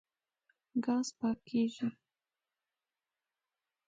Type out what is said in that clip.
ګاز پاکېږي.